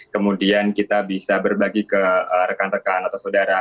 kemudian kita bisa berbagi ke rekan rekan atau saudara